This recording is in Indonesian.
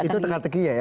itu tengah tengahnya ya